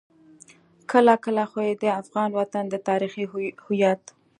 کله کله خو يې د افغان وطن د تاريخي هويت.